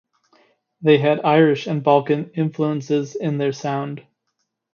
They had Irish and Balkan influences in their sound.